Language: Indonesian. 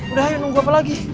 udah ayo nunggu apa lagi